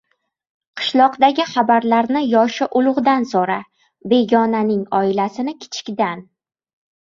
• Qishloqdagi xabarlarni yoshi ulug‘dan so‘ra, begonaning oilasini — kichikdan.